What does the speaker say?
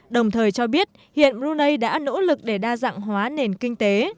đồng thời cho biết hiện brunei đã nỗ lực để đa dạng hóa nền kinh tế